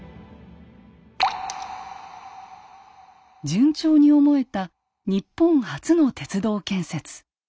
順調に思えた日本初の鉄道建設。